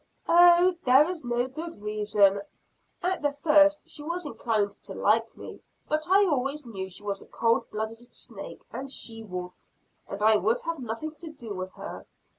"Oh, there is no good reason. At the first, she was inclined to like me but I always knew she was a cold blooded snake and she wolf, and I would have nothing to do with her.